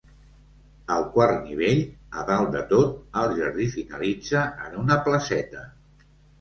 Al quart nivell, a dalt de tot, el jardí finalitza en una placeta.